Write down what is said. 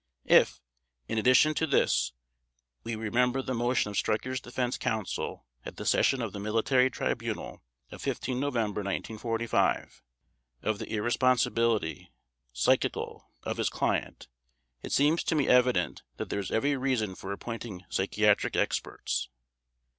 If, in addition to this, we remember the motion of Streicher's Defense Counsel at the session of the Military Tribunal of 15 November 1945 of the irresponsibility (psychical) of his client, it seems to me evident that there is every reason for appointing psychiatric experts.